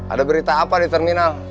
ada berita apa di terminal